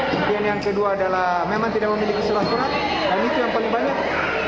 kemudian yang kedua adalah memang tidak memiliki surat surat dan itu yang paling banyak